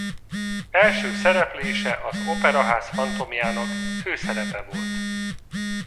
Első szereplése Az operaház fantomjának főszerepe volt.